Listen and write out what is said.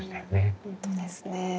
本当ですねえ。